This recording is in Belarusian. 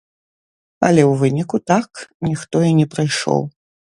Але ў выніку так ніхто і не прыйшоў.